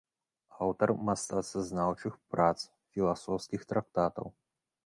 Аўтар мастацтвазнаўчых прац, філасофскіх трактатаў.